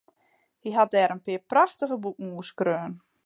Hy hat dêr in pear prachtige boeken oer skreaun.